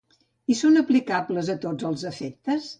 I són aplicables a tots els efectes?